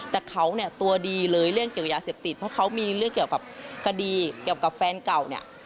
แต่เขาเนี่ยตัวดีเลยเรื่องเกี่ยวยาเสพติดเพราะเขามีเรื่องเกี่ยวกับคดีเกี่ยวกับแฟนเก่าเนี่ย